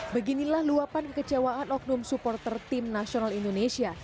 beginilah luapan kekecewaan oknum supporter timnas indonesia